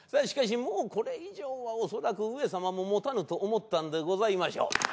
しかしもうこれ以上はおそらく上様ももたぬと思ったんでございましょう。